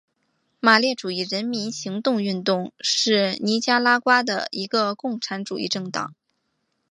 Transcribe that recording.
马列主义人民行动运动是尼加拉瓜的一个共产主义政党。